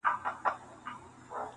• له حیا نه چي سر کښته وړې خجل سوې,